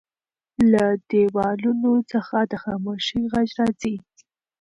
له دیوالونو څخه د خاموشۍ غږ راځي.